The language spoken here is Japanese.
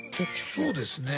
そうですね。